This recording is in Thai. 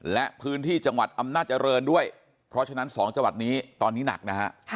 และพื้นที่จังหวัดอำนาจริงด้วยเพราะฉะนั้น๒จังหวัดนี้ตอนนี้หนักนะฮะ